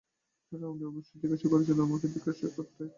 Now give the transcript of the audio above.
সুতরাং আপনি অবশ্যই তাকে জিজ্ঞাসা করেছেন আমাকে জিজ্ঞাসা করতে?